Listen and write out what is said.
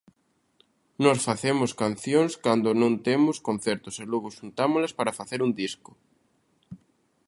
Nós facemos cancións cando non temos concertos e logo xuntámolas para facer un disco.